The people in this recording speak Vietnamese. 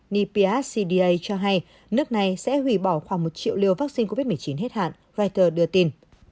neph cda cho hay nước này sẽ hủy bỏ khoảng một triệu liều vaccine covid một mươi chín hết hạn reuters đưa tin